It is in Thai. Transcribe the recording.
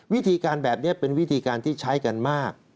วิธีการแบบนี้เป็นวิธีการที่ใช้กันมาก